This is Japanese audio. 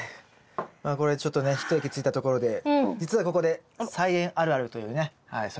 まあこれでちょっとね一息ついたところで実はここで「菜園あるある」というねそういうお悩みが届いておりますので。